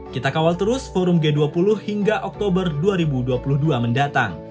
kita kawal terus forum g dua puluh hingga oktober dua ribu dua puluh dua mendatang